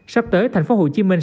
sắp tới thành phố hồ chí minh